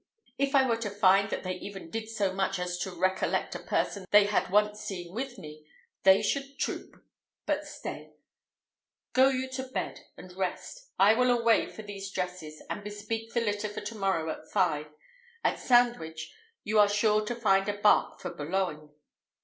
If I were to find that they even did so much as to recollect a person they had once seen with me, they should troop. But stay; go you to bed and rest; I will away for these dresses, and bespeak the litter for to morrow at five. At Sandwich you are sure to find a bark for Boulogne."